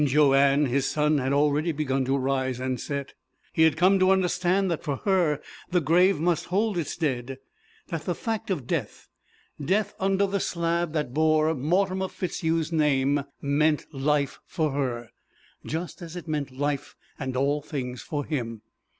In Joanne his sun had already begun to rise and set. He had come to understand that for her the grave must hold its dead; that the fact of death, death under the slab that bore Mortimer FitzHugh's name, meant life for her, just as it meant life and all things for him.